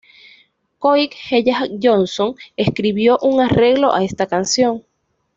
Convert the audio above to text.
Craig Hella Johnson escribió un arreglo a esta canción.